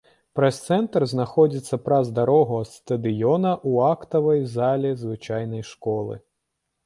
Прэс-цэнтр знаходзіцца праз дарогу ад стадыёна ў актавай зале звычайнай школы.